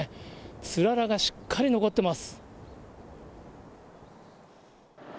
つららがしっかり残ってます。